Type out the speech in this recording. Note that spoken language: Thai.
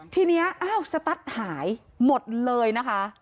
ทีนี้อ้าวสตัสหายหมดเลยนะคะ